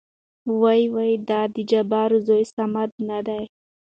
ويېېې دا د جبار زوى صمد نه دى ؟